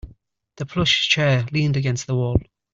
The plush chair leaned against the wall.